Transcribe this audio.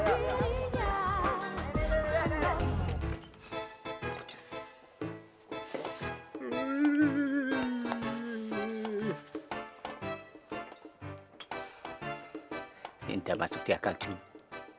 ini udah masuk di hati dissolved